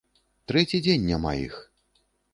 Трэці дзень няма іх.